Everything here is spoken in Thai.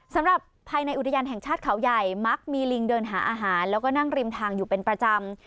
สำหรับภายในอุทยานแห่งชาติเขาใหญ่มักมีลิงเดินหาอาหารแล้วก็นั่งริมทางอยู่เป็นประจำ